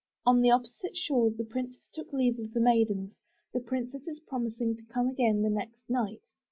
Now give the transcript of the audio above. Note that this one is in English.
On the opposite shore the princes took leave of the maidens, the princesses promising to come again the next night.